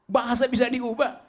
bahasa bisa diubah